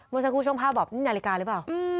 โมซากุชงภาพบอกนี่นาฬิกาหรือเปล่า